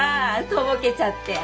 とぼけちゃって。